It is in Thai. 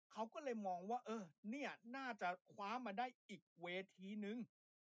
เขาก็เลยมองว่าเออเนี่ยน่าจะคว้ามาได้อีกเวทีนึง